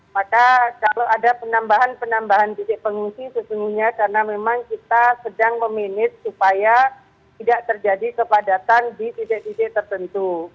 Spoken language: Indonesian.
maka kalau ada penambahan penambahan titik pengungsi sesungguhnya karena memang kita sedang meminis supaya tidak terjadi kepadatan di titik titik tertentu